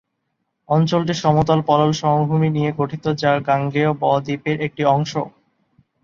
অঞ্চলটি সমতল পলল সমভূমি নিয়ে গঠিত যা গাঙ্গেয় ব-দ্বীপএর একটি অংশ।